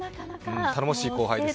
頼もしい後輩ですね。